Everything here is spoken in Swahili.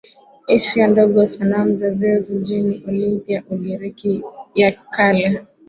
Asia Ndogo Sanamu ya Zeus mjini Olympia Ugiriki ya Kale